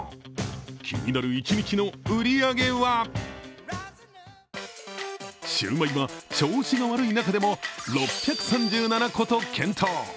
気になる一日の売り上げはシューマイは調子が悪い中でも６３７個と検討。